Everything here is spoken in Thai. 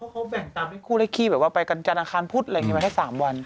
เขาแบ่งตามให้คู่และคีย์แบบว่าไปกันจัดอาคารพุธอะไรอย่างนี้มาให้๓วัน